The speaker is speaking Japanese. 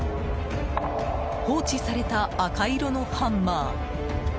放置された赤色のハンマー。